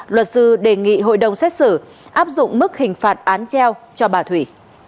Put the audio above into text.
luật sư đề nghị hội đồng xét xử áp dụng mức hình phạt án treo cho bà thủy